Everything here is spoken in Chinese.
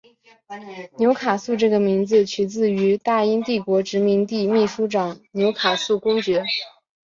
纽卡素这个名字取自于大英帝国殖民地秘书长纽卡素公爵。